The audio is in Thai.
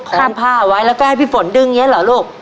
ครับเอาผ้าไว้แล้วก็ให้พี่ฝนดึงเยอะเหรอลูก